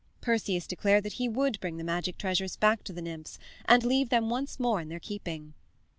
Perseus declared that he would bring the magic treasures back to the nymphs and leave them once more in their keeping.